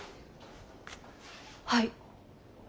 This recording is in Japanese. はい。